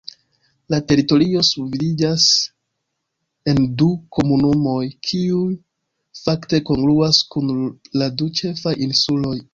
La teritorio subdividiĝas en du komunumoj, kiuj fakte kongruas kun la du ĉefaj insuloj.